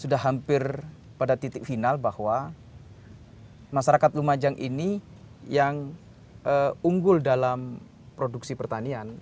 sudah hampir pada titik final bahwa masyarakat lumajang ini yang unggul dalam produksi pertanian